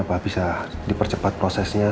apa bisa dipercepat prosesnya